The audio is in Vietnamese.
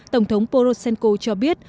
tổng thống poroshenko cho biết